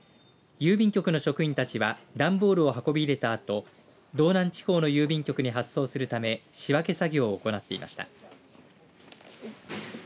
郵便局の職員たちは段ボールを運び入れたあと道南地方の郵便局に発送するため仕分け作業を行っていました。